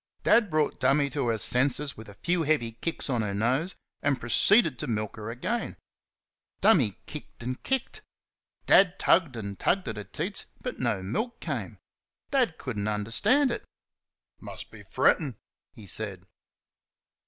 Dad brought "Dummy" to her senses with a few heavy kicks on her nose, and proceeded to milk her again. "Dummy" kicked and kicked. Dad tugged and tugged at her teats, but no milk came. Dad could n't understand it. "Must be frettin'," he said.